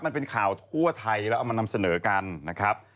มันเป็นข่าวทั่วไทยแล้วเอามานำเสนอกันนะครับ